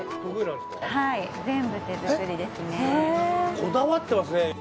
こだわってますね。